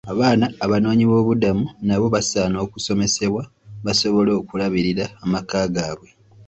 Abaana abanoonyiboobubudamu nabo basaana okusomesebwa basobole okulabirira amaka gaabwe.